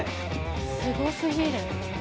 すごすぎる。